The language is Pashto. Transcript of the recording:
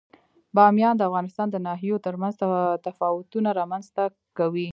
بامیان د افغانستان د ناحیو ترمنځ تفاوتونه رامنځ ته کوي.